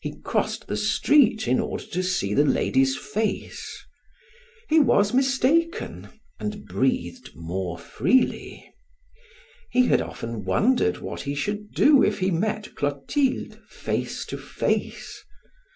He crossed the street in order to see the lady's face; he was mistaken, and breathed more freely. He had often wondered what he should do if he met Clotilde face to face.